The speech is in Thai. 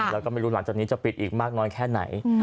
แล้วก็ไม่รู้หลังจากนี้จะปิดอีกมากน้อยแค่ไหน